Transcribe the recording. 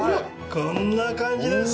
こんな感じです！